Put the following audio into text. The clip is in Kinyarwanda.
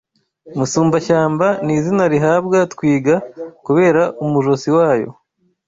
Musumbashyamba n’ izina rihabwa twiga kubera umujosi wayo